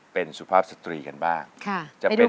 เป็นสุภาพสตรีกันบ้างจะเป็นอย่างไร